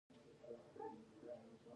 د هغه انساني وړتیاوې فعلیت نه مومي.